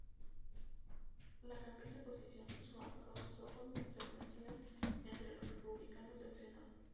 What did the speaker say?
La cambiante posición de Trump causó consternación entre los republicanos del Senado.